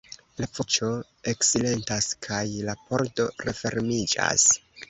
La voĉo eksilentas kaj la pordo refermiĝas.